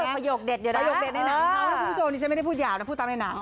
พยกเด็ดอยู่นะคุณโชคนี้ฉันไม่ได้พูดยาวนะพูดตามในหนัง